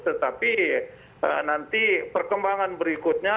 tetapi nanti perkembangan berikutnya